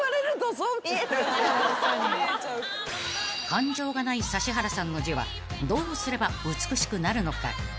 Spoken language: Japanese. ［感情がない指原さんの字はどうすれば美しくなるのか］